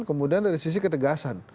kemudian dari sisi ketegasan